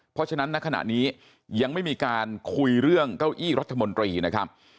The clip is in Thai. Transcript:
เพราะฉะนั้นณขณะนี้ยังไม่มีการคุยเรื่องเก้าอี้รัฐมนตรีนะครับ